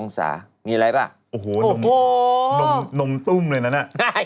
๑๘๐องศามีอะไรปะโอ้โหนมตุ้มเลยนั่นแหละ